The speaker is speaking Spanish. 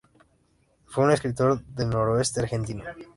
Fue un escritor del Noroeste argentino.